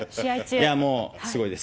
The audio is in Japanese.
もうすごいです。